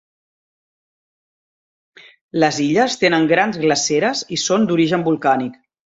Les illes tenen grans glaceres i són d'origen volcànic.